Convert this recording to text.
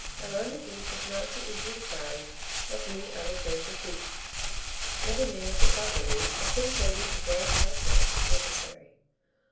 A round of beef is not so easily carved as many other joints of beef, and to manage it properly, a thin bladed and very sharp knife is necessary.